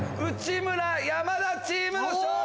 村山田チームの勝利！